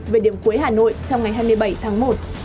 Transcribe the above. về điểm cuối hà nội trong ngày hai mươi bảy tháng một